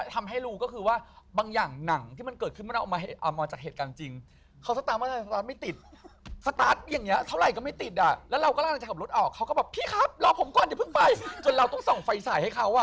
แต่เรายังจำได้เราเลยบอกเขาว่ามันอยู่ตรงนี้ค่ะ